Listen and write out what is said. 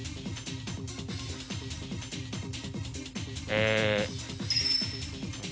え。